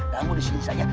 kamu disini saja